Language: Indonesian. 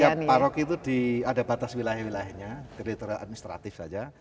dan setiap paroki itu ada batas wilayah wilayahnya gereja administratif saja